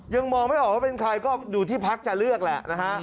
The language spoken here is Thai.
ยังมองไม่ออกว่าเป็นใครก็อยู่ที่พักจะเลือกแหละนะฮะ